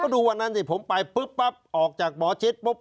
ดูวันนั้นสิผมไปปุ๊บปั๊บออกจากหมอชิดปุ๊บ